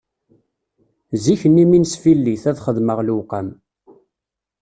Zik-nni mi nesfillit, ad xedmeɣ lewqam